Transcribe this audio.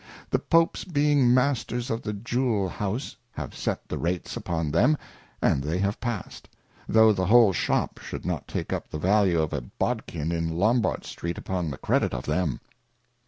The Popes being Masters of the Jewel House, have set the Rates upon them, and they have passed ; though the whole Shop would not take up the value of a Bodkin in Lombard street upon the credit of them.